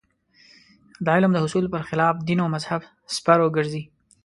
د علم د حصول پر خلاف دین او مذهب سپر وګرځي.